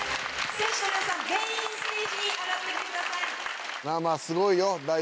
選手の皆さん全員ステージに上がってきてください。